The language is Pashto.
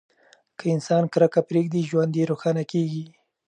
که انسان کرکه پریږدي، ژوند یې روښانه کیږي.